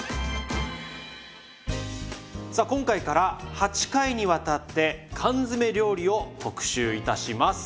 さあ今回から８回にわたって缶詰料理を特集いたします。